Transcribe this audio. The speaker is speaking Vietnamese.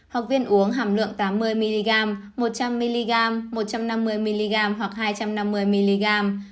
học viên uống hàm lượng tám mươi mg một trăm linh mg một trăm năm mươi mg hoặc hai trăm năm mươi mg